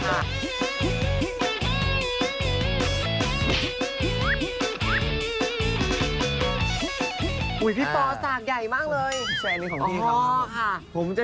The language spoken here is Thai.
พี่พอสากใหญ่มากเลย